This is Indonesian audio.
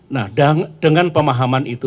nah dengan pemahaman itu